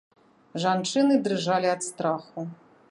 Жанчыны дрыжалі ад страху.